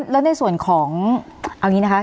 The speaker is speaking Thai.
แล้วในส่วนของเอาอย่างนี้นะคะ